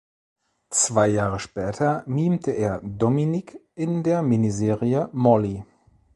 Zwei Jahre später mimte er Dominic in der Mini-Serie "Molly".